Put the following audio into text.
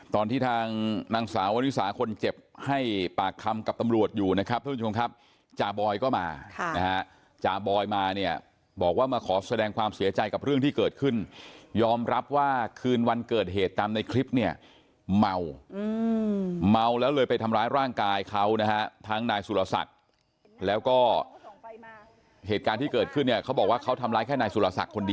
ตอนที่ทางนางสาววริสาคนเจ็บให้ปากคำกับตำรวจอยู่นะครับทุกผู้ชมครับจาบอยก็มานะฮะจาบอยมาเนี่ยบอกว่ามาขอแสดงความเสียใจกับเรื่องที่เกิดขึ้นยอมรับว่าคืนวันเกิดเหตุตามในคลิปเนี่ยเมาเมาแล้วเลยไปทำร้ายร่างกายเขานะฮะทั้งนายสุรศักดิ์แล้วก็เหตุการณ์ที่เกิดขึ้นเนี่ยเขาบอกว่าเขาทำร้ายแค่นายสุรศักดิ์